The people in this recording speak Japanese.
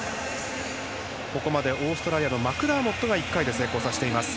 ここまでオーストラリアのマクダーモットが１回で成功させています。